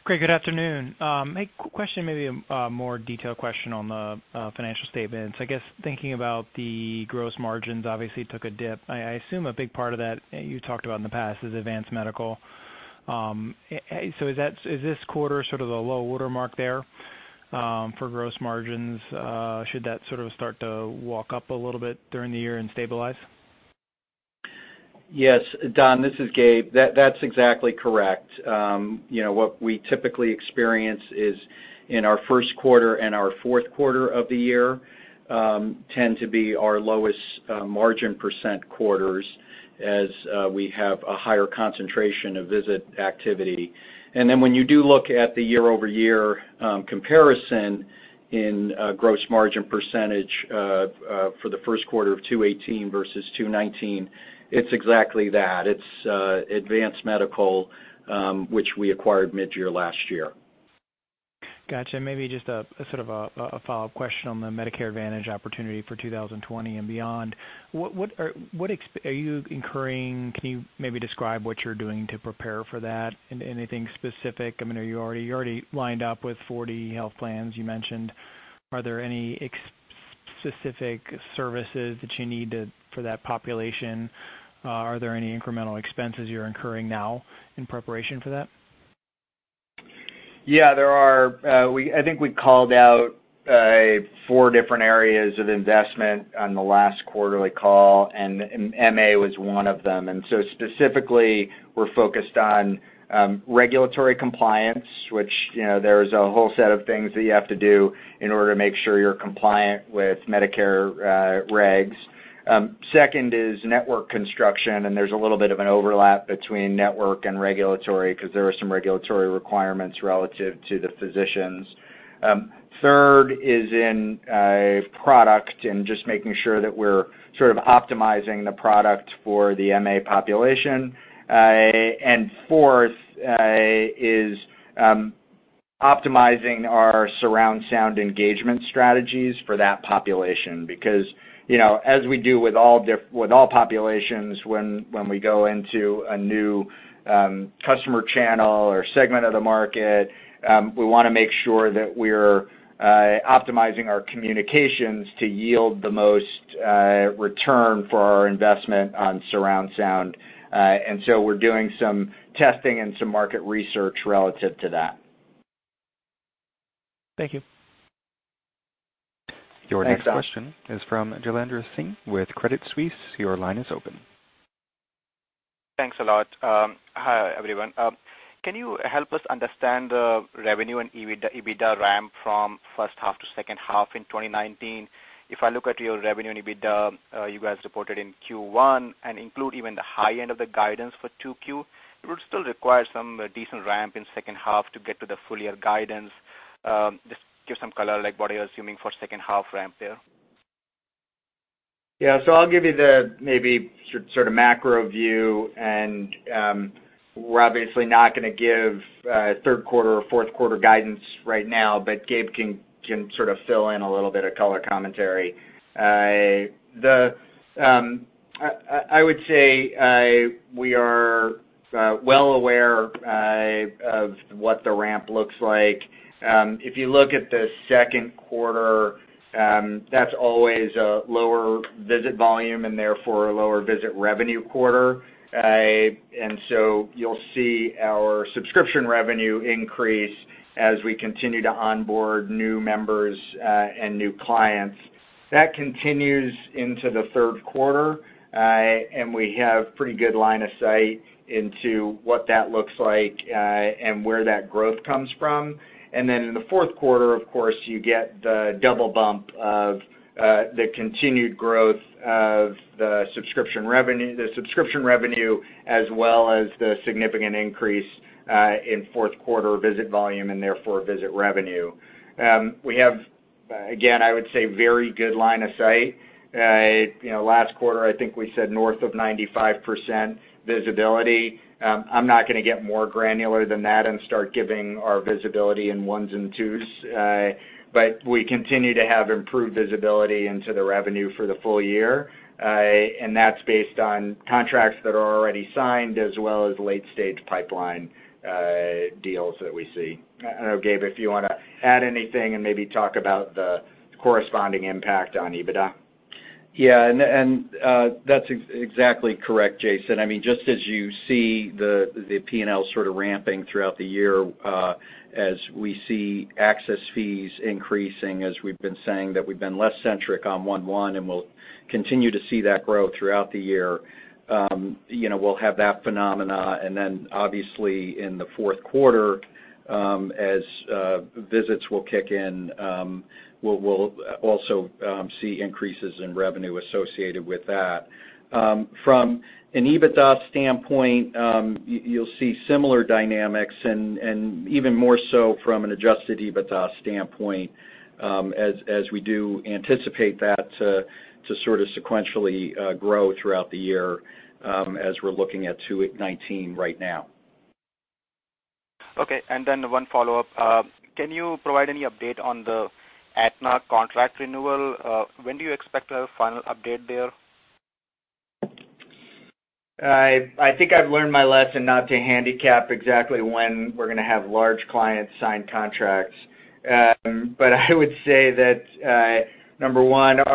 Great. Good afternoon. A question, maybe a more detailed question on the financial statements. I guess thinking about the gross margins, obviously took a dip. I assume a big part of that, you talked about in the past, is Advance Medical. Is this quarter sort of the low water mark there for gross margins? Should that sort of start to walk up a little bit during the year and stabilize? Yes. Don, this is Gabe. That's exactly correct. What we typically experience is in our first quarter and our fourth quarter of the year tend to be our lowest margin percent quarters as we have a higher concentration of visit activity. When you do look at the year-over-year comparison in gross margin percentage for the first quarter of 2018 versus 2019, it's exactly that. It's Advance Medical, which we acquired mid-year last year. Got you. Maybe just sort of a follow-up question on the Medicare Advantage opportunity for 2020 and beyond. Can you maybe describe what you're doing to prepare for that? Anything specific? You're already lined up with 40 health plans, you mentioned. Are there any specific services that you need for that population? Are there any incremental expenses you're incurring now in preparation for that? Yeah. There are. I think we called out four different areas of investment on the last quarterly call, and MA was one of them. Specifically, we're focused on regulatory compliance, which there is a whole set of things that you have to do in order to make sure you're compliant with Medicare regs. Second is network construction, and there's a little bit of an overlap between network and regulatory because there are some regulatory requirements relative to the physicians. Third is in product and just making sure that we're sort of optimizing the product for the MA population. Fourth is optimizing our surround sound engagement strategies for that population. As we do with all populations, when we go into a new customer channel or segment of the market, we want to make sure that we're optimizing our communications to yield the most return for our investment on surround sound. We're doing some testing and some market research relative to that. Thank you. Thanks, Don. Your next question is from Jailendra Singh with Credit Suisse. Your line is open. Thanks a lot. Hi, everyone. Can you help us understand the revenue and EBITDA ramp from first half to second half in 2019? If I look at your revenue and EBITDA you guys reported in Q1 and include even the high end of the guidance for 2Q, it would still require some decent ramp in second half to get to the full year guidance. Just give some color, like what are you assuming for second half ramp there? Yeah. I'll give you the maybe sort of macro view, and we're obviously not going to give third quarter or fourth quarter guidance right now. Gabe can sort of fill in a little bit of color commentary. I would say we are well aware of what the ramp looks like. If you look at the second quarter, that's always a lower visit volume and therefore a lower visit revenue quarter. You'll see our subscription revenue increase as we continue to onboard new members and new clients. That continues into the third quarter, and we have pretty good line of sight into what that looks like and where that growth comes from. In the fourth quarter, of course, you get the double bump of the continued growth of the subscription revenue, as well as the significant increase in fourth quarter visit volume and therefore visit revenue. We have, again, I would say, very good line of sight. Last quarter, I think we said north of 95% visibility. I'm not going to get more granular than that and start giving our visibility in ones and twos. We continue to have improved visibility into the revenue for the full year, and that's based on contracts that are already signed as well as late-stage pipeline deals that we see. I don't know, Gabe, if you want to add anything and maybe talk about the corresponding impact on EBITDA. Yeah, that's exactly correct, Jason. Just as you see the P&L sort of ramping throughout the year, as we see access fees increasing, as we've been saying that we've been less centric on 1.1, and we'll continue to see that growth throughout the year. We'll have that phenomena, and then obviously in the fourth quarter, as visits will kick in, we'll also see increases in revenue associated with that. From an EBITDA standpoint, you'll see similar dynamics and even more so from an adjusted EBITDA standpoint, as we do anticipate that to sort of sequentially grow throughout the year as we're looking at 2019 right now. Okay, then one follow-up. Can you provide any update on the Aetna contract renewal? When do you expect to have a final update there? I think I've learned my lesson not to handicap exactly when we're going to have large clients sign contracts. I would say that, number one, as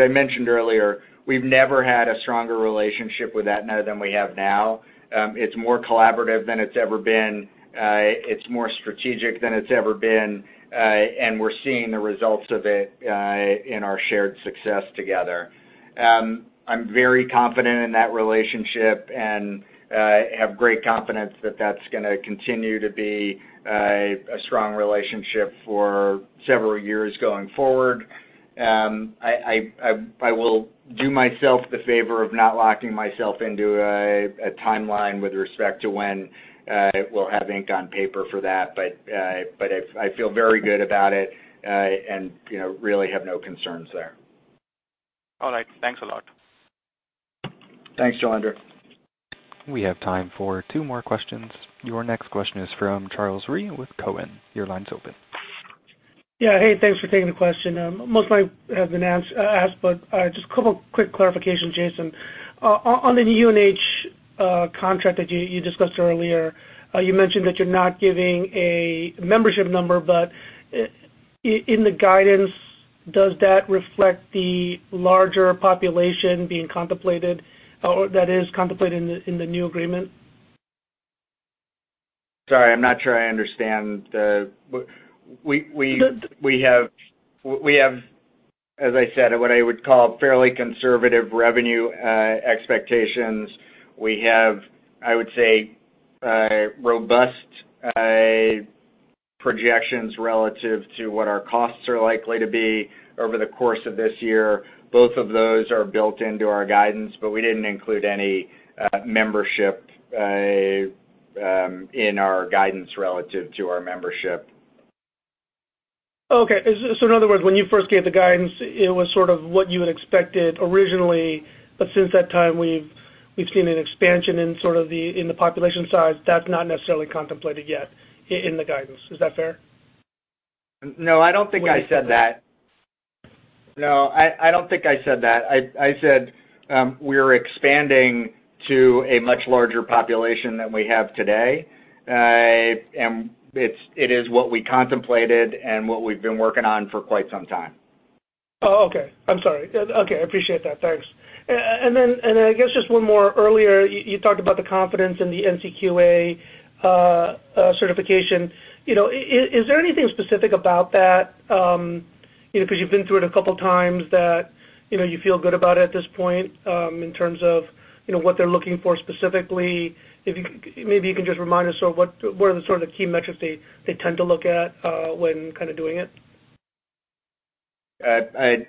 I mentioned earlier, we've never had a stronger relationship with Aetna than we have now. It's more collaborative than it's ever been. It's more strategic than it's ever been. We're seeing the results of it in our shared success together. I'm very confident in that relationship and have great confidence that's going to continue to be a strong relationship for several years going forward. I will do myself the favor of not locking myself into a timeline with respect to when we'll have ink on paper for that, I feel very good about it and really have no concerns there. All right. Thanks a lot. Thanks, Jailendra. We have time for two more questions. Your next question is from Charles Rhyee with Cowen. Your line's open. Yeah. Hey, thanks for taking the question. Most have been asked, but just a couple quick clarification, Jason. On the UNH contract that you discussed earlier, you mentioned that you're not giving a membership number, but in the guidance, does that reflect the larger population that is contemplated in the new agreement? Sorry, I'm not sure I understand. We have, as I said, what I would call fairly conservative revenue expectations. We have, I would say, robust projections relative to what our costs are likely to be over the course of this year. Both of those are built into our guidance, but we didn't include any membership in our guidance relative to our membership. In other words, when you first gave the guidance, it was sort of what you had expected originally, but since that time, we've seen an expansion in the population size that's not necessarily contemplated yet in the guidance. Is that fair? No, I don't think I said that. No, I don't think I said that. I said we're expanding to a much larger population than we have today. It is what we contemplated and what we've been working on for quite some time. Oh, okay. I'm sorry. Okay, I appreciate that. Thanks. Then, I guess just one more. Earlier, you talked about the confidence in the NCQA certification. Is there anything specific about that, because you've been through it a couple times, that you feel good about it at this point in terms of what they're looking for specifically? Maybe you can just remind us of what are the sort of the key metrics they tend to look at when kind of doing it?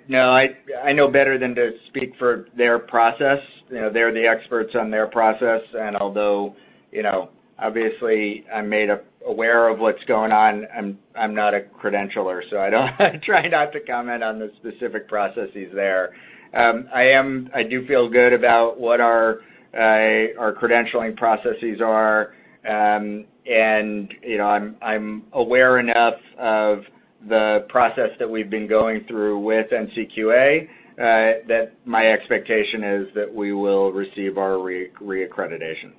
No, I know better than to speak for their process. They're the experts on their process, although obviously I'm made aware of what's going on, I'm not a credentialer, so I try not to comment on the specific processes there. I do feel good about what our credentialing processes are, I'm aware enough of the process that we've been going through with NCQA that my expectation is that we will receive our reaccreditation.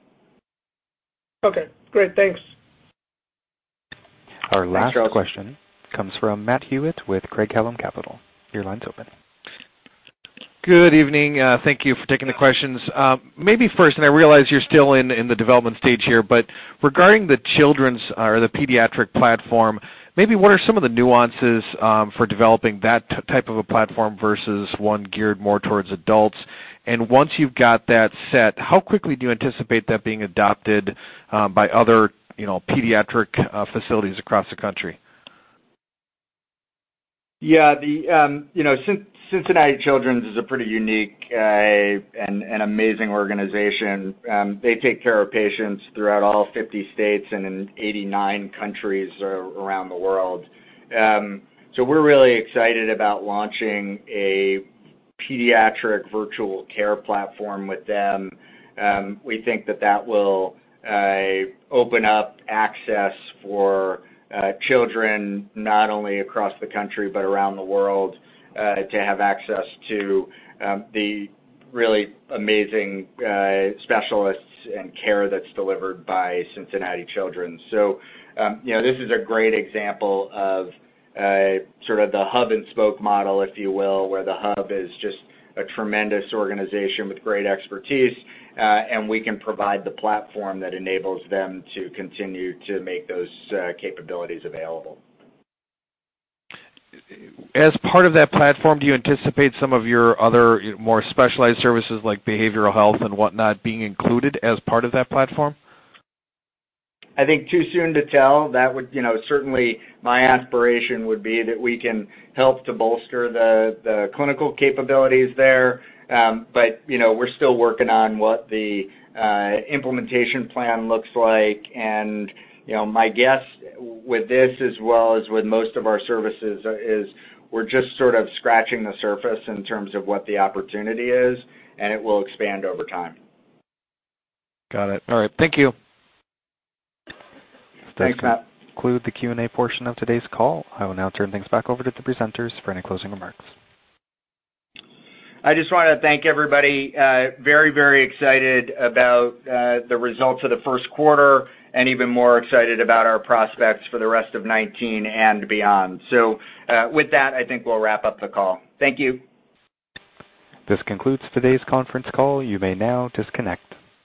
Okay, great. Thanks. Our last question comes from Matt Hewitt with Craig-Hallum Capital. Your line's open. Good evening. Thank you for taking the questions. Maybe first, I realize you're still in the development stage here, regarding the children's or the pediatric platform, maybe what are some of the nuances for developing that type of a platform versus one geared more towards adults? Once you've got that set, how quickly do you anticipate that being adopted by other pediatric facilities across the country? Yeah. Cincinnati Children's is a pretty unique and amazing organization. They take care of patients throughout all 50 states and in 89 countries around the world. We're really excited about launching a pediatric virtual care platform with them. We think that that will open up access for children, not only across the country, but around the world, to have access to the really amazing specialists and care that's delivered by Cincinnati Children's. This is a great example of sort of the hub and spoke model, if you will, where the hub is just a tremendous organization with great expertise, and we can provide the platform that enables them to continue to make those capabilities available. As part of that platform, do you anticipate some of your other more specialized services, like behavioral health and whatnot, being included as part of that platform? I think too soon to tell. Certainly, my aspiration would be that we can help to bolster the clinical capabilities there. We're still working on what the implementation plan looks like. My guess with this, as well as with most of our services, is we're just sort of scratching the surface in terms of what the opportunity is, and it will expand over time. Got it. All right. Thank you. Thanks, Matt. That will conclude the Q&A portion of today's call. I will now turn things back over to the presenters for any closing remarks. I just want to thank everybody. Very, very excited about the results of the first quarter, and even more excited about our prospects for the rest of 2019 and beyond. With that, I think we'll wrap up the call. Thank you. This concludes today's conference call. You may now disconnect.